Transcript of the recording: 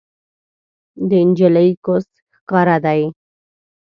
د انجلۍ کوس ښکاره دی